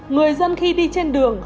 người dân khi đi trên đường